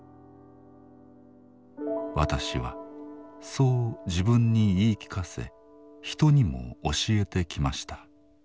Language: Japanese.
私はそう自分に言い聞かせ人にも教えてきました。